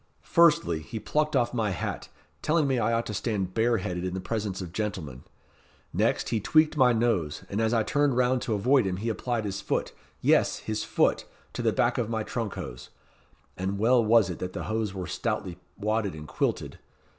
Firstly, he plucked off my hat, telling me I ought to stand bareheaded in the presence of gentlemen. Next, he tweaked my nose, and as I turned round to avoid him, he applied his foot yes, his foot to the back of my trunk hose; and well was it that the hose were stoutly wadded and quilted.